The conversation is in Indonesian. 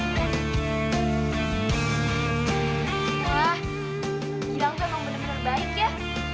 wah gilang kan yang bener bener baik ya